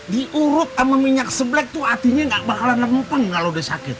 diurut sama minyak seblek tuh artinya ga bakalan lempeng kalo udah sakit